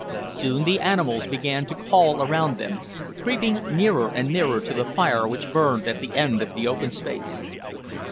Soon the animals began to call around them, creeping nearer and nearer to the fire which burned at the end of the open space.